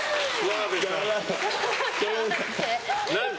何か。